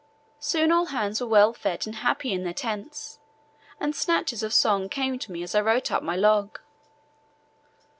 Soon all hands were well fed and happy in their tents, and snatches of song came to me as I wrote up my log.